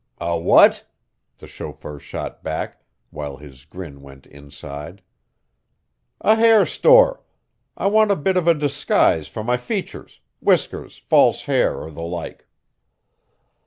"A what?" the chauffeur shot back, while his grin went inside. "A hair store I want a bit of a disguise fer my features whiskers, false hair or the like."